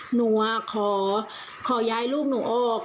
หนูขอย้ายลูกหนูออก